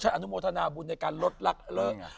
อนุโมทนาบุญในการลดลักเลิก